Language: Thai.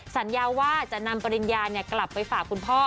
สัญญาว่าจะนำปริญญากลับไปฝากคุณพ่อ